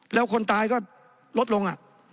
แล้วคนตายก็ลดลง